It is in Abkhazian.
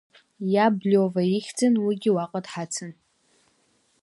Иаб Лиова ихьӡын уигьы уаҟа дҳацын.